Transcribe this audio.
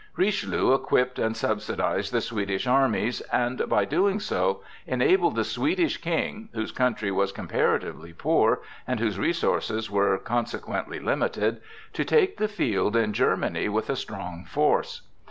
Richelieu equipped and subsidized the Swedish armies and, by doing so, enabled the Swedish King, whose country was comparatively poor and whose resources were consequently limited, to take the field in Germany with a strong force.